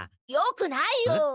よくないよ！